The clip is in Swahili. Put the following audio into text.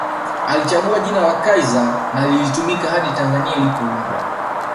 Alichagua jina la Kaiser na lilitumika hadi Tanzania ilipoundwa